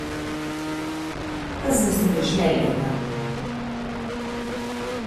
Das müssen wir schnell ändern!